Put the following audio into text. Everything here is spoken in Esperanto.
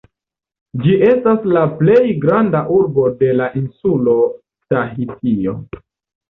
Ĝi estas la plej granda urbo de la insulo Tahitio.